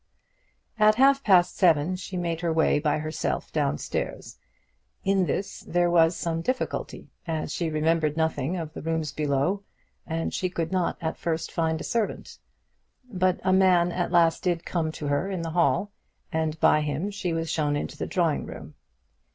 At half past seven she made her way by herself down stairs. In this there was some difficulty, as she remembered nothing of the rooms below, and she could not at first find a servant. But a man at last did come to her in the hall, and by him she was shown into the drawing room.